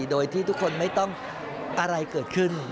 โดยที่ทุกคนไม่ต้องอะไรเกิดขึ้น